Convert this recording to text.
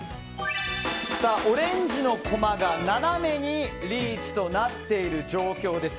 オレンジのコマが斜めにリーチとなっている状況です。